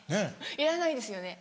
いらないですよね。